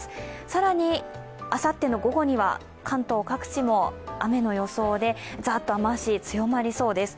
更にあさっての午後には関東各地も雨の予想でざーっと雨足、強まりそうです。